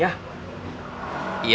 jangan panik ya